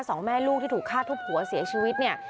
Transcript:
สองแม่ลูกที่ถูกฆ่าทุบหัวเสียชีวิตเนี่ย